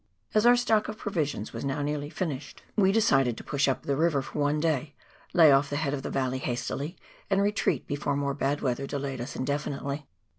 As our stock of provisions was now nearly finished, we COOK PJVER AND ANCIENT GLACIERS. 145 decided to push up the river for one day, lay off the head of the valley hastily, and retreat before more bad weather delayed us indefinitely.